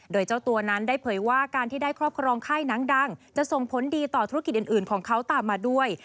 โดยเจ้าตัวนั้นได้เผยว่าการที่ได้ครอบครองค่ายหนังดังจะส่งผลดีต่อธุรกิจอื่นของเขาตามมาด้วย